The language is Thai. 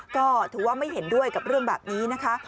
ก็ถือว่าไม่เห็นด้วยกับเรื่องแบบนี้นะคะ